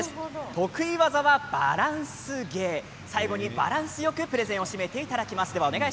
得意技はバランス芸、最後にバランスよく締めていただきます。